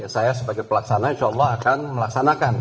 saya sebagai pelaksana insya allah akan melaksanakan